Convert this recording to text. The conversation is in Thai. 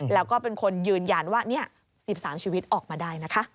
แล้วก็เป็นคนยืนยันว่า๑๓ชีวิตออกมาได้นะคะ